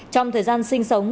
trong thời gian sinh sống